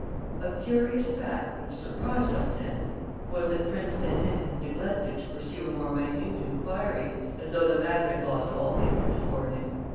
A curious fact, which surprised Hortense, was that Prince Rénine had neglected to pursue a more minute enquiry, as though the matter had lost all interest for him.